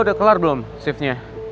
lo udah kelar belum shiftnya